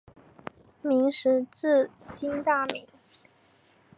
明时治今大名。